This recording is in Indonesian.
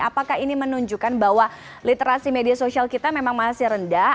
apakah ini menunjukkan bahwa literasi media sosial kita memang masih rendah